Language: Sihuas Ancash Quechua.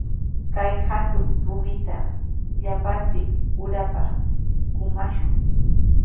Kay hatun rumita llapanchik urapa kumashun.